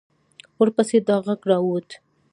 ورپسې دا غږ را ووت.